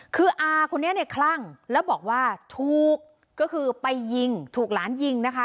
คืออาคนนี้เนี่ยคลั่งแล้วบอกว่าถูกก็คือไปยิงถูกหลานยิงนะคะ